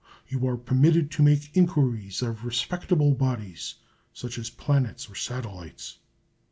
You are permitted to make inquiries of respectable bodies, such as planets or satellites.